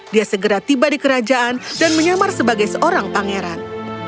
dia segera tiba di kerajaan dan menyamar sebagai seorang pangeran